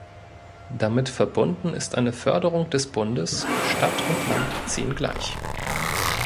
Damit verbunden ist eine Förderung des Bundes, Stadt und Land ziehen gleich.